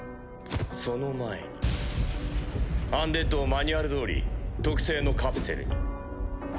その前に不死をマニュアルどおり特製のカプセルに。